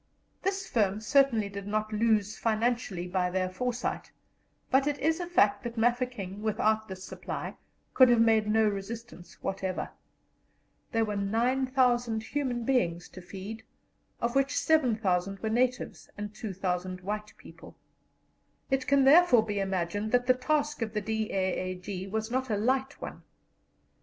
This firm certainly did not lose financially by their foresight, but it is a fact that Mafeking without this supply could have made no resistance whatever. There were 9,000 human beings to feed, of which 7,000 were natives and 2,000 white people. It can therefore be imagined that the task of the D.A.A.G. was not a light one.